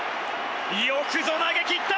よくぞ投げきった！